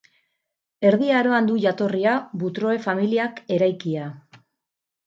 Erdi Aroan du jatorria, Butroe familiak eraikia.